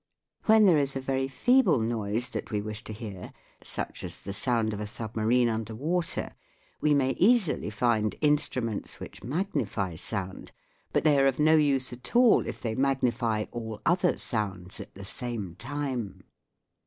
When there is a very feeble noise that we wish to hear, such as the sound of a submarine under water, we may easily find instruments which magnify sound, but they are of no use at all if they magnify all other sounds at the same time.